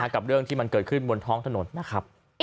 กับเรื่องที่มันเกิดขึ้นบนท้องถนนนะครับ